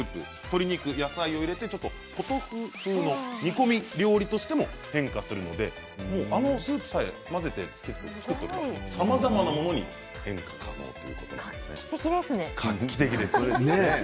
鶏肉、野菜を入れてちょっとポトフ風の煮込み料理としても変化するのであのスープさえ混ぜて作っておけば、さまざまなものに画期的ですね。